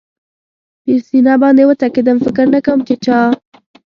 پر سینه باندې و څکېدم، فکر نه کوم چې چا.